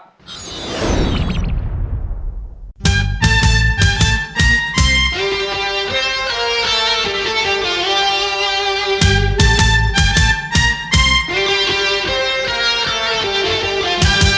เพลงดี